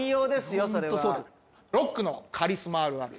ロックのカリスマあるある。